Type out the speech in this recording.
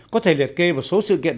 có thể liệt kê một số sự kiện